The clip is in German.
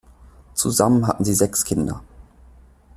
Zusammen hatten sie sechs Kinder.